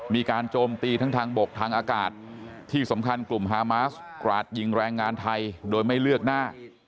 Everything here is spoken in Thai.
โจมตีทั้งทางบกทางอากาศที่สำคัญกลุ่มฮามาสกราดยิงแรงงานไทยโดยไม่เลือกหน้า